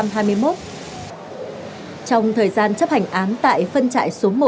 trong thời gian chấp hành án tại phân trại số một